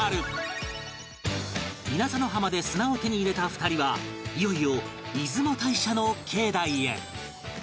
稲佐の浜で砂を手に入れた２人はいよいよ出雲大社の境内へ